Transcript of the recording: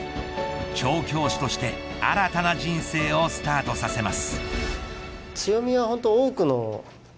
調教師として新たな人生をスタートさせます。